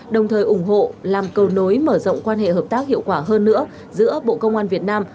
đồng thời ủng hộ làm cầu nối mở rộng quan hệ hợp tác hiệu quả hơn nữa giữa bộ công an việt nam